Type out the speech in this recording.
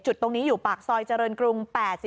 ตรงนี้อยู่ปากซอยเจริญกรุง๘๔